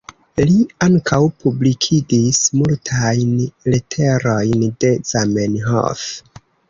Li ankaŭ publikigis multajn leterojn de Zamenhof.